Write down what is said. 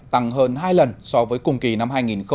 tăng hơn hai lần so với cùng kỳ năm hai nghìn hai mươi ba